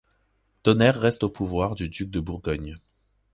Tonnerre reste au pouvoir du duc de Bourgogne.